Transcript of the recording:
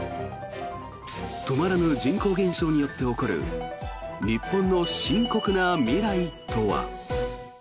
止まらぬ人口減少によって起こる日本の深刻な未来とは。